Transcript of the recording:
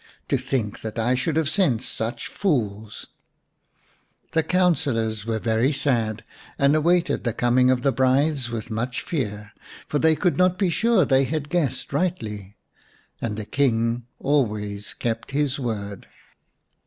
To think that I should have sent such fools !" The councillors were very sad, and awaited the coming of the brides with much fear, for they could not be sure they had guessed rightly, and the King always kept his word.